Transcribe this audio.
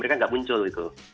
mereka nggak muncul itu